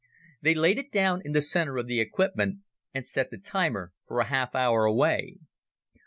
They laid it down in the center of the equipment and set the timer for a half hour away.